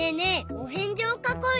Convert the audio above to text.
おへんじをかこうよ！